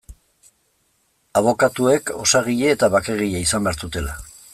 Abokatuek osagile eta bakegile izan behar zutela.